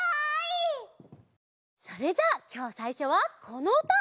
それじゃあきょうさいしょはこのうた！